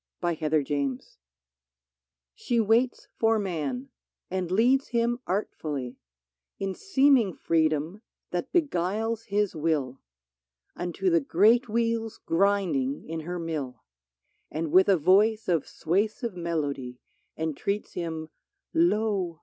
83 PHILISTIA Ohe waits for man, and leads him artfully — In seeming freedom that beguiles his will — Unto the great wheels grinding in her mill ; And with a voice of suasive melody, Entreats him :" Lo